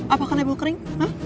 apa kan ya gue kering